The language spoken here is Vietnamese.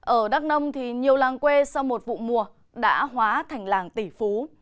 ở đắk nông thì nhiều làng quê sau một vụ mùa đã hóa thành làng tỷ phú